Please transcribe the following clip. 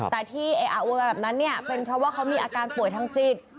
แต่ที่ไอ้อาวุธแบบนั้นเป็นเพราะว่าเขามีอาการป่วยทางจิต